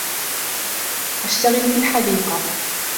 أَشْتَغِلُ فِي الْحَديقَةِ.